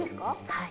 はい。